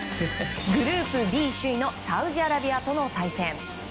グループＢ首位のサウジアラビアとの対戦。